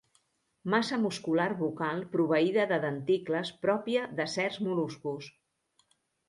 Massa muscular bucal proveïda de denticles pròpia de certs mol·luscos.